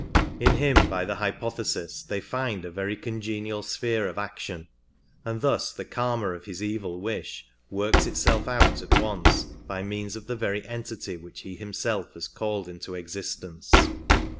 In him by the hypothesis they find a very congenial sphere of action, and thus the Karma of his evil wish works itself out. at once by means of the very entity which he himself has called into existence.